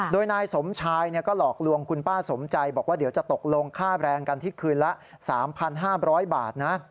โดยนายสมชายก็หลอกลวงคุณป้าสมใจบอกว่าเดี๋ยวจะตกลงค่าแรงกันที่คืนละ๓๕๐๐บาทนะ